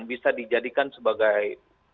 bisa dijadikan sebagai